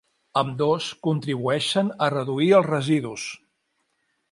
Ambdós contribueixen a reduir els residus.